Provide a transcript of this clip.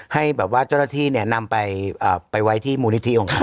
ให้บางว่าเจ้าหน้าที่แนะนำไปอ่ะไปไว้ที่มือวิทมิติของเขา